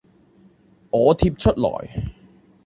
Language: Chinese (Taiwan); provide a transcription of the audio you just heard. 我貼出來